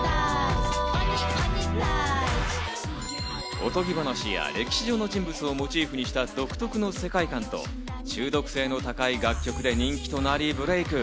おとぎ話や歴史上の人物をモチーフにした独特の世界観と、中毒性の高い楽曲で人気となりブレイク。